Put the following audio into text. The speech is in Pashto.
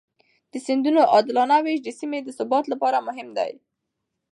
د سیندونو عادلانه وېش د سیمې د ثبات لپاره مهم دی.